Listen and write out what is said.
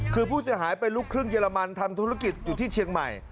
คือผู้เสียหายเป็นลูกครึ่งเยอรมันทำธุรกิจอยู่ที่เชียงใหม่